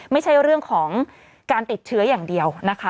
ไม่ใช่เรื่องของการติดเชื้ออย่างเดียวนะคะ